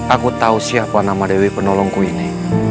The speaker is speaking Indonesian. aku tahu siapa nama dewi penolongku ini